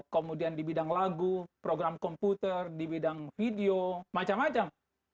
kemudian di bidang lagu program komputer di bidang video macam macam